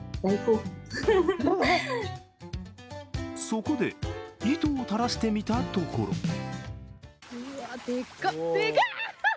そこで糸を垂らしてみたところでかっ！